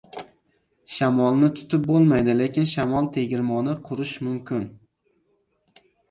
• Shamolni tutib bo‘lmaydi, lekin shamol tegirmoni qurish mumkin.